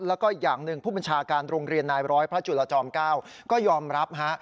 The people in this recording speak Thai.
แล้วก็อย่างหนึ่งผู้บัญชาการโรงเรียนนายร้อยพระจุลจอม๙ก็ยอมรับฮะ